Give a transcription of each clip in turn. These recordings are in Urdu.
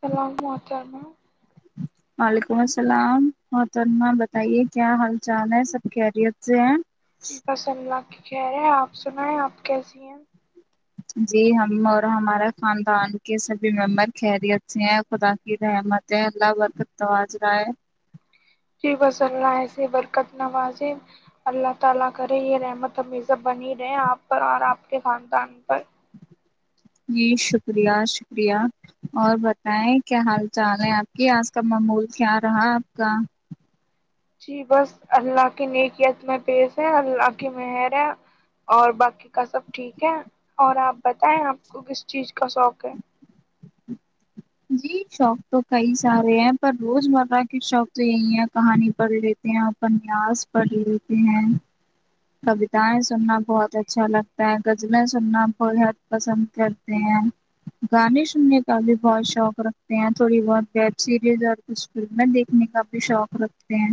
سلان معاچر میں [inaudible] وعلیکم السلام مط المہ بتائیے کیا حال چال ہے سب کییریت سے ہیں [unintelligible] جی بسلہ کہہ رہے ہیں آپ [unintelligible] سنا ہے آپ کیسی ہیں [inaudible] جی ہم اور ہمارے خاندان کے سبھی ممبر خیریت سے ہیں خدا کی رحمت ہے اللہ برکاجر ہے [unintelligible] [unintelligible] جی شکریہ شکریہ اور بتائیں کیا حال چال ہے آپ کی آج کا معمول کیا رہا آپ کا [unintelligible] جی بس اللہ کی نیکیت میں پیش ہے اللہ کی مہر ہے اور باقی کا سب ٹھیک ہے اور آپ بتائیں آپ کو کس چیز کا شوق ہے [unintelligible] جی شوق تو کئی سارے ہیں پر روز مرہ کے شوق تو یہی ہے کہانی پڑھ لیتے ہیں اپنیاس پڑھ لیتے ہیں کویتاائیں سننا بہت اچھا لگتا ہے غزلیں سننا بہت پسند کرتے ہیں گانے سننے کا بھی بہت شوق رکھتے ہیں تھوڑی بہت ویب سیریز اور کچھ فلمیں دیکھنے کا بھی شوق رکھتے ہیں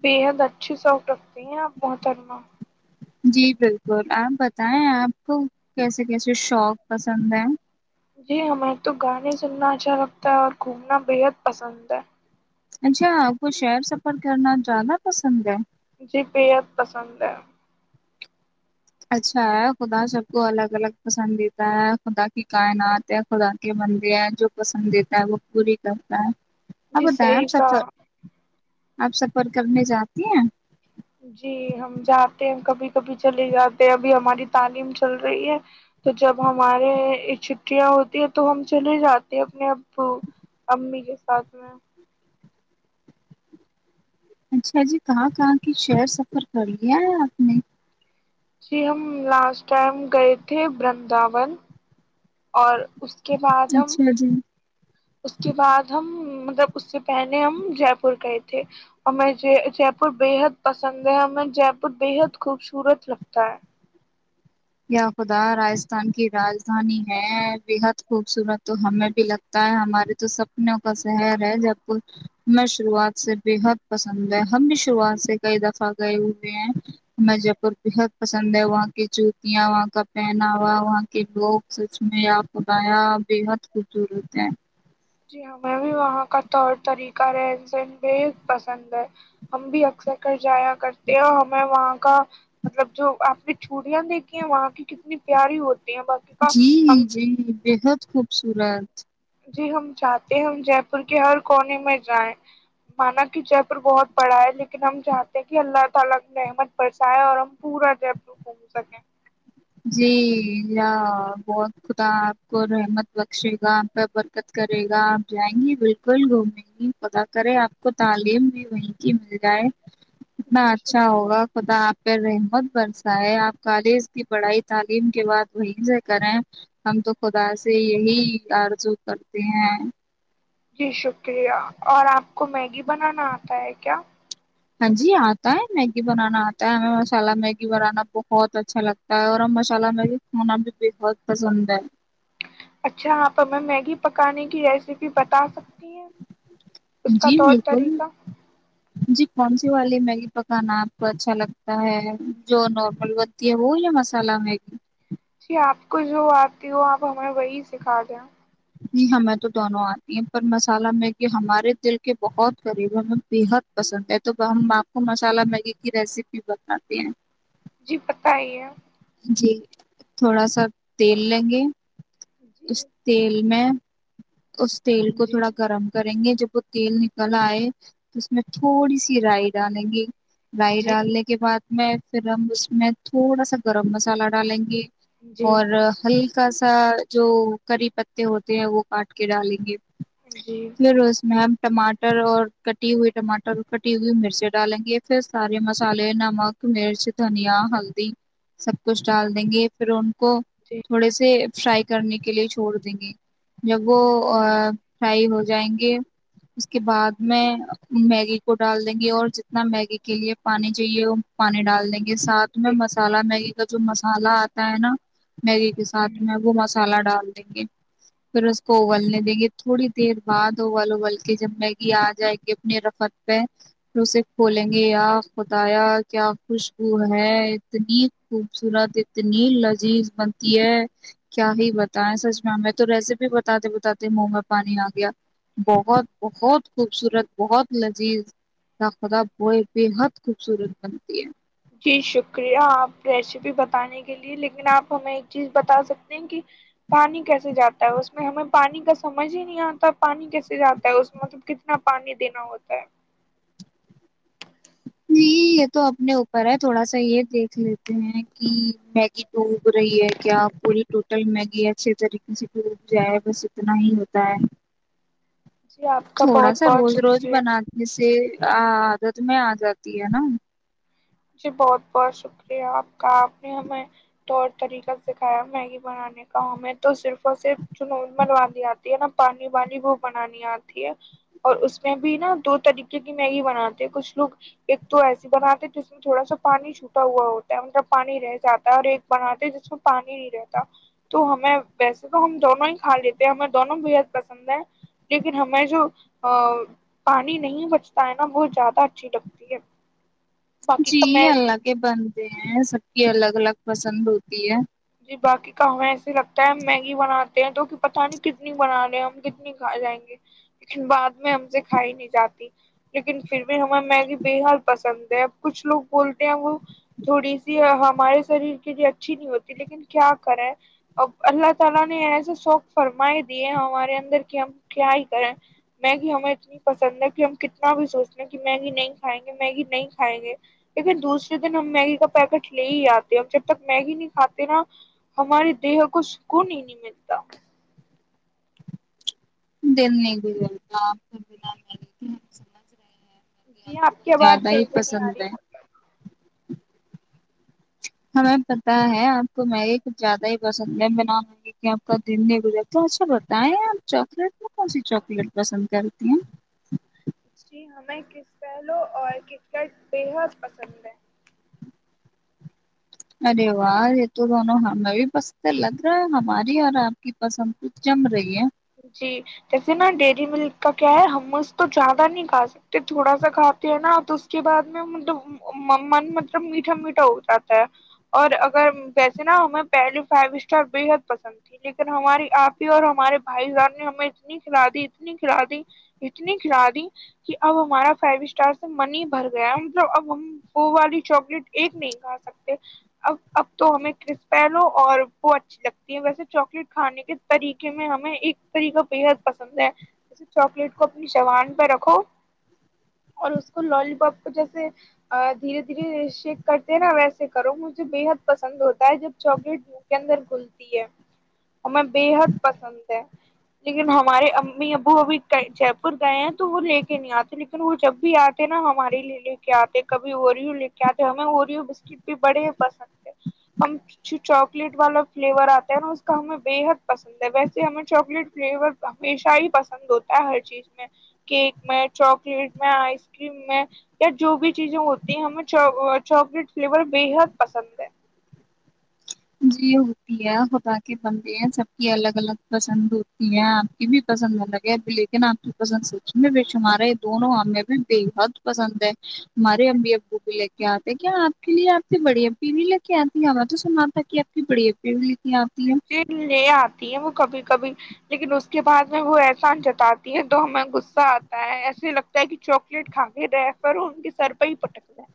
بےحد اچھی سوق رگتی ہیں آپ محترما جی بالکل آپ بتائیں آپ کو کیسے کیسے شوق پسند ہیں جی ہمیں تو گانے سننا اچھا لگتا ہے اور گھومنا بےحد پسند ہے اچھا آپ کو شہر سفر کرنا زیادہ پسند ہے جی بحد پسند ہے اچھا ہے خدا سب کو الگ الگ پسندید ہے خدا کی کائنات ہے خدا کے بندے ہیں جو پسندید ہے وہ پوری کرتا ہے جی اب ڈم صحیح سفر کہا آپ سفر کرنے جاتی ہیں جی ہم جاتے ہیں کبھی کبھی چلے جاتے ہیں ابھی ہماری تعلیم چل رہی ہے تو جب ہمارے چھٹیاں ہوتی ہے تو ہم چلے جاتے ہیں اپنے ابو امی کے ساتھ میں اچھا جی کہاں کہاں کی شہر سفر کر لیا ہے آپ نے جی ہم لاسٹ ٹائم گئے تھے برنداون اور اس کے بعد ہم اچھا جی اس کے بعد ہم مطلب اس سے پہلے ہم جے پور گئے تھے اور ہمیں جے جے پور بےحد پسند ہےیں جے پور بےحد خوبصورت لگتا ہے خدا راجستھان کی راجدھانی ہے بےحد خوبصورت تو ہمیں بھی لگتا ہے ہمارے تو سپنوں کا شہر ہے جے پور ہمیں شروعات سے بےحد پسند ہے ہم بھی شروعات سے کئی دفعہ گئے ہوئے ہیں ہمیں جے پور بےحد پسند ہے وہاں کے جو یا وہاں کا پہناوا وہاں کے لوگ سچ میں آ بنایا جی ہمیں بھی وہاں کا طور طریقہ کا رہن سہن بد پسند ہے ہم بھی اکثر کر جایا کرتے ہیں اور ہمیں وہاں کا مطلب جو آپ نے چوڑیاں دیکھی ہیں وہاں کی اتنی پیاری ہوتی ہیں باقی کا ہم جی جی بےحد خوبصورت [unintelligible] جی بہت خدا آپ کو رحمت بخشے گا آپ کا برکت کرے گا آپ جائیں گی بالکل گھومیں گی خدا کرے آپ کو تعلیم بھی وہیں کی مل جائے اتنا جی اچھا شکریہ ہوگا خدا آپ پہ رہم بن [unintelligible] ہے آپ کالج [unintelligible] پڑھائی تعلیم کے بعد وہیں سے کریں ہم تو خدا سے یہی آرزو کرتے ہیں جی شکریہ اور آپ کو میگی بنانا آتا ہے کیا ہاں جی آتا ہے میگی بنانا آتا ہے ہمیں مسالہ میگی بنانا بہت اچھا لگتا ہے اور ہم مسالہ میگی کھانا بھی بےحت پسند ہے اچھا یہاں پر میں میگی پکانے کی ریسیپی بتا سک جی بالکل طریقہ جی کون سی والی میگی پکانا آپ کو اچھا لگتا ہے جو نارمل بنتی ہے وہ یا مسالہ میگی جی آپ کو جو آتی ہو آپ ہمیں وہی سکھا دیں جی ہمیں تو دونوں آتی ہیں پر مسالہ میگی ہمارے دل کے بہت قریب ہے ہمیں بےحد پسند ہے تو ہم آپ کو مسالہ میگی کی ریسیپی بتاتے ہیں جی پت ہی ہے جی تھوڑا سا تیل لیںگے جی اس تیل میں اس تیل کو جی تھوڑا گرم کریں گے جب وہ تیل نکل آئے تو اس میں تھوڑی سی رائی ڈالیں گی رائی جی ڈالنے کے بعد میں فھرم اس میں تھوڑا سا گرم مسالہ ڈالیں گے جی اور کا سا جو کری پتے ہوتے ہیں وہ کاٹ کے ڈالیں گے جی فروز میم ٹماٹر اور کٹی ہوئی ٹماٹر کٹی ہوئی مرچیں ڈالیں گے پھر سارے مسالے نمک مرچ دھنیا ہلدی سب کچھ ڈال دیں گے پھر ان کو جی تھوڑے سے فرائی کرنے کے لیے چھوڑ دیں گے [inaudible] فرائی ہو جائیں گے اس کے بعد میں میگی کو ڈال دیں گی اور جتنا میگی کے لیے پانی چاہیے وہ پانی ڈال دیں گے یہ ساتھ میں مس مگی کا جو مسالہ آتا ہے نا میگری کے ساتھ میں وہ مسالہ ڈال دیں گے پھر اس کو ابلنے دیں گے تھوڑی دیر بعد اوول ابول کے جب میگی آ جائے گی اپنی رفت پہ پھر اسے کھولیں گے خدایا کیا خوشبو ہے اتنی خوبصورت اتنی لذیذ بنتی ہے کیا ہی بتائیں سچ میں ہمیں تو ریسیپی بتاتے بتاتے من میں پانی آ گیا بہت بہت خوبصورت بہت لذیذ ناخذ ہوئے بےحد خوبصورت بنتی ہے جی شکریہ آپ ریسیپی بتانے کے لیے لیکن آپ ہمیں ایک چیز بتا سکتے ہیں کہ پانی کیسے جاتا ہے اس میں ہمیں پانی کا سمجھ ہی نہیں آتا پانی کیسے جاتا ہے اس میں مطلب کتنا پانی دینا ہوتا ہے نہیں یہ تو اپنے اوپر ہے تھوڑا سا یہ دیکھ لیتے ہیں کہ ڈوب رہی ہے کیا پوری ٹوٹل میگی ہے اچھے طریقے سے ڈوب جائے بس اتنا ہی ہوتا ہے جی آپ کا تھوڑا بہت سا بہت روز روز شکریہ بناتے سے ہاں میں آ جاتی ہے نا جی بہت بہت شکریہ آپ کا آپ نے ہمیں طور طریقہ سکھایا میگی بنانے کا ہمیں تو صرف بس چ منوان آتی ہے نا پانی وانی وہ بنانی آتی ہے اور اس میں بھی نا دو طریقے کی میگی بناتے ہیں کچھ لوگ ایک تو ایسی بناتے جس تھڑا سا پانی چھوٹا ہوا ہوتا ہے مطلب پانی رہ جاتا ہے اور ایک بناتے جس میں پانی نہیں رہتا تو ہمیں ویسے تو ہم دونوں ہی کھا لیتے ہیں ہمیں دونوں بےحد پسند ہیں لیکن ہمیں جو پانی نہیں بچتا ہے نا بہت زیادہ اچھی لگتی ہے باقی جی کا میں اللہ کے بنتے ہیں سب کی الگ الگ پس پسند ہوتی ہے ج باقی کا ہمیں ایسے لگتا ہے ہم میگی بناتے ہیں تو کہ پتا نہیں کتنی بنا رہے ہیں ہم کتنی کھا جائیں گے لیکن بعد میں ہم سے کھائی نہیں جاتی لیکن پھر بھی ہمیں میگی بے حال پسند ہے اب کچھ لوگ بولتے ہیں وہ تھوڑی سی ہمارے شریر کے لیے اچھی نہیں ہوتی لیکن کیا کرے اسے جیدا شوک فارما ہی نہیں رہا کیا کرے؟ نا ہمارے دیہ کو سکون ہی نہیں ملتا دل نہیں گزرتا آپ سمجھ رہے ہیں میگی جی کو آپ کچھ کے آواز زیادہ ہی چیزیں نہیں آ پسند رہی ہے ہمیں پتاہ ہے آپ کو میگی کچھ زیادہ ہی پسند ہے بنا مگی کی آپ کا دن نہیں گزرتا اچھا بتائیں آپ چاکلیٹ میں کون سی چاکلیٹ پسند کرتی ہیں جی ہمیں کس پہلو اور کرکٹ بےحد پسند ہے ارے واہ یہ تو دونوں ہمیں بھی پسند لگ رہا ہے ہماری اور آپ کی پسند تو جم رہی ہے جی جیسے نا ڈیری ملک کا کیا ہے ہم اس تو زیادہ نہیں کھا سکتے تھوڑا سا کھاتے ہیں نا تو اس کے بعد میں مطلب من مطلب میٹھا میٹھا ہو جاتا ہے اور اگر ویسے نا ہمیں پہلے فائیو اسٹار بےحد پسند تھی لیکن ہماری آپ ہی اور ہمارے بھائی جار نے ہمیں اتنی کھلا دی اتنی کھلا دی اتنی کھلا دی کہ اب ہمارا فائیو اسٹار سے منی بھر گیا مطلب اب ہم وہ والی چاکلیٹ ایک نہیں کھا سکتے اب اب تو ہمیں کرسپ لو اور وہ اچھی لگتی ہے ویسے چاکلیٹ کھانے کے طریقے میں ہمیں [unintelligible] ایک طریق بےحد پسند ہے جیسے چاکلیٹ کو اپنی شبان پہ رکھو اور اس کو لال پاپ کو جیسے دھیرے دھیرے شیک کرتے ہیں نا ویسے کرو مجھے بے حد پسند ہوتا ہے جب چاکلیٹ مو کے اندر گھلتی ہے اور میں بےحد پسند لیکن ہمارے امی ابو ابھی جے پور گئے ہیں تو وہ لے کے نہیں آتے لیکن وہ جب بھی آتے نا ہمارے لیے لے کے آتے کبھی اوریو لے کے آتے ہمیں اوروریو بسکٹ بھی بڑے پسند ہیں ہم جو چاکلیٹ والا فلیور آتا ہے نا اس کا ہمیں بے حد پسند ہے ویسے سے ہمیں چاکلیٹ فلیور ہمیشہ ہی پسند ہوتا ہے ہر چیز میں کیک میں چاکلیٹ میں آئس کریم میں یا جو بھی چیزیں ہوتی ہیں ہمیں چاکلیٹ فلیور بےحد پسند ہے جی ہوتی ہے ہوتا کے بندے ہیں سب کی الگ الگ پسند ہوتی ہے آپ کی بھی پسند الگ ہے لیکن آپ کی پسند سچ میں ب شمارے دونوں ہمیں بھی بےحد پسند ہے ہمارے ابی ابو بھی لے کے آتے کیا آپ کے لیے آپ کے بڑی ابی بھی لے کے آتی ہم تو س آپ ت کہ آپ کی بڑی اھی ہوئی لے آ وہ کبھی کبھی لیکن اس کے بعد میں وہ احسان جتاتی ہے تو ہمیں غصہ آتا ہے ایسے لگتا ہے کہ چاکلیٹ کھا کے رہے وہ ان کے سر پہ ہی پٹک رہے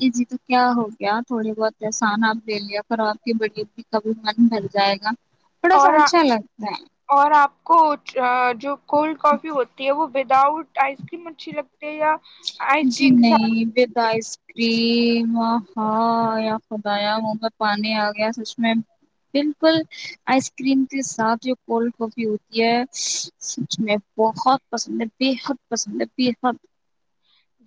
ج جی تو کیا ہو گیا تھوڑی بہت احسان آپ لے لیا کر آپ کی بڑی ا کا بھی من ڈل جائے گا تھوڑا ساوچ چا لگتا کچ جو کولڈ کافی ہوتی ہے وہ وداؤٹ آئس کریم مچھی لگ جی نہیں بدا لگتی ہے آئس کریم ہاں یا خدایا من پ پانی آ گیا سچ میں بالکل آئس کریم کے ساتھ جو کولڈ کافی ہوتی ہے سچ میں بہت پسند ہے بےحد پسند ہے بےحد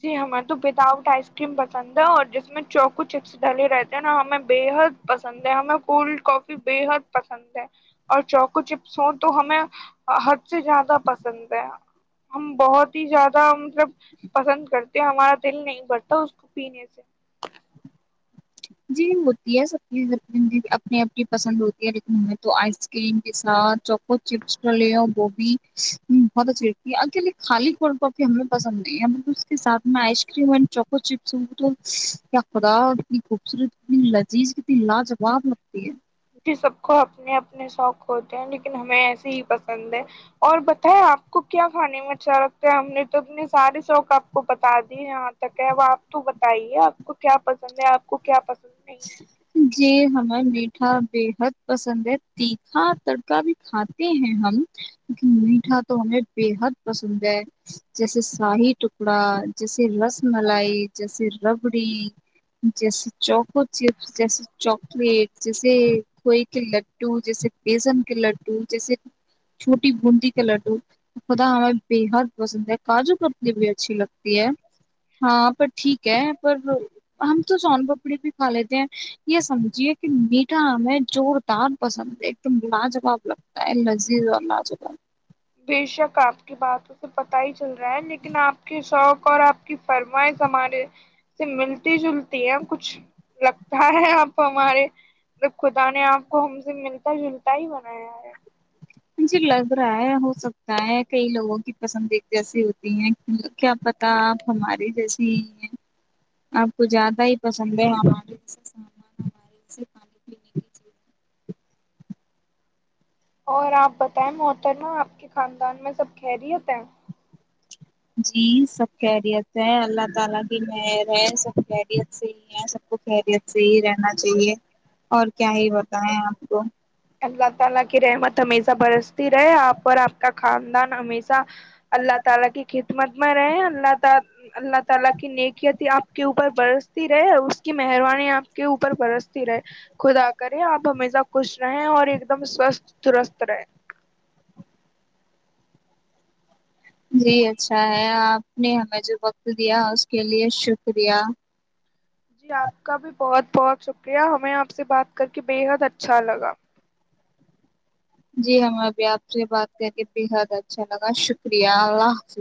جی ہمیں تو وداؤٹ آئس کریم پسند ہے اور جس میں چوکو چپس ڈلے رہتے ہیں نا ہمیں بےحد پسند ہے ہمیں کولڈ کافی بے حد پسند ہے اور چوکو چپس ہوں تو ہمیں حد سے زیادہ پسند ہے ہم بہت ہی زیادہ مطلب پسند کرتے ہمارا دل نہیں بڑتا اس کو پینے سے جی ہوتی ہے سب چیز اپنی اپنی پسند ہوتی ہے لیکن ہمیں تو آئس کریم کے ساتھ چوکو چس گوبھی بہت اچھی لتی ہے خالیی ہمیں پسند نہیں ہے اس کے ساتھ میں آئس کریم اینکوس خدا نی خوبصورت کتنی لذیذ کتنی لاجواب لگتی ہے جی سب کو اپنے اپنے شوق ہوتے ہیں لیکن ہمیں ایسے ہی پسند ہے اور بتائے آپ کو کیا کھانے میں اچھا لگتا ہے ہم نے تو اپنے سارے شوق آپ کو بتا دی جاں تک ہے وہ آپ تو بتائیے آپ کو کیا پسند ہے آپ کو کیا پسند نہیں ہے جی جی ہمیں میٹھا بےحد پسند ہے تیکھا تڑکا بھی کھاتے ہیں ہم لیکن میٹھا تو ہمیں بےحد پسند ہے جیسے شاہی ٹکڑا جیسے رس ملائی جیسے ربڑی جیسے چوک چپس جیسے چاکلیٹ جیسے کوئی کے لڈو جیسے بیسن کے لڈو جیسے چھوٹی بندی لڈو خدا ہمیں بےحد پسند ہے کاجو کپڑی بھی اچھی لگتی ہے ہاں پر ٹھیک ہے پر ہم تو سون پپڑی بھی کھا لیتے ہیں یہ سمجھیے کہ میٹھا ہمیں زوردار پسند ہے ایک دم لاجواب لگتا ہے لذیذ اور لاجواب بے شک آپ کی باتوں سے پتا پت ہی چل رہا ہے لیکن آپ کے شوق اور آپ کی فرمائش ہمارے سے ملتی جلتی ہے کچھ لگتا ہے آپ ہمارے جب خدا نے آپ کو ہم سے ملتا جلتا ہی بنایا ہے جی لگ رہا ہے ہو سکتا ہے کئی لوگوں کی پسندید جیسی ہوتی ہے کیا پتا آپ ہماریے جیسی ہی ہیں آپ کو زیادہ ہی پسند ہے ہمارے جسے سامان ہمارے جے پے پینے کی چیز اور آپ بتائیں محتر نا آپ کے خاندان میں سب خیریت ہے جی سب خیریت ہے اللہ تعالی کی مر ہے سب خیریت سے ہی ہے سب کو خیریت سے ہی رہنا چاہیے اور کیا ہی بتائیں آپ کو تعاللہ کی رحمت ہمیشہ برستی رہے آپ اور آپ کا خاندان ہمیشہ [unintelligible] کے اوپر برستی رہے اور اس کی مہربانی آپ کے اوپر برستی رہے خدا کریں آپ ہمیشہ خوش رہیں اور ایک دم سوستھ درست رہیں جی اچھا ہے آپ نے ہمیں جو وقت دیا اس کے لیے شکریہ جی آپ کا بھی بہت بہت شکریہ ہمیں آپ سے بات کر کے بےحد اچھا لگا جی ہم ابھی آپ سے بات کر کے بےحد اچھا لگا شکریہ اللہ حافظ